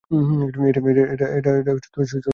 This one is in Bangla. এটা সব তোমার জন্য ছিল না।